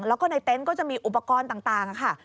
แล้วก็ในเต็นต์ก็จะมีอุปกรณ์ต่างค่ะ